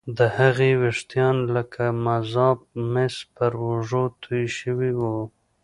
د هغې ويښتان لکه مذاب مس پر اوږو توې شوي وو